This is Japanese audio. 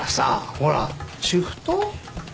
ほらシフト？